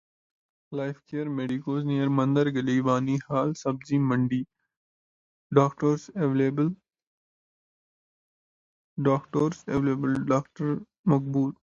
Living in a royal palace is a dream come true for many people.